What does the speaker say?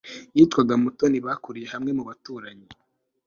yitwaga mutoni. bakuriye hamwe, mu baturanyi